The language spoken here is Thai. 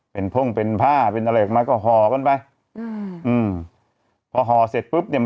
เป็นพ่งเป็นผ้าเป็นอะไรออกมาก็ห่อกันไปอืมอืมพอห่อเสร็จปุ๊บเนี้ย